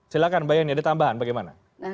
silahkan bayangin ada tambahan bagaimana